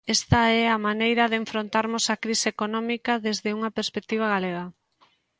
Esta é a maneira de enfrontarmos a crise económica desde unha perspectiva galega.